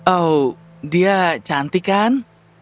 oh dia cantik bukan